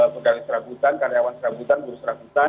pegang serabutan karyawan serabutan jurus serabutan